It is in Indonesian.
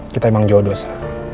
kita emang jodoh sa